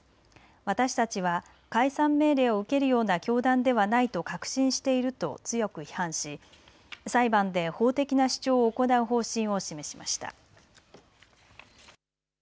私たちは解散命令を受けるような教団ではないと確信していると強く批判し、裁判で法的な主張を行う方針を示しました。